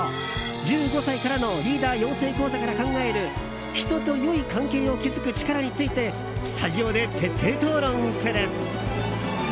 「１５歳からのリーダー養成講座」から考える人と良い関係を築く力についてスタジオで徹底討論する！